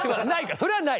それはない。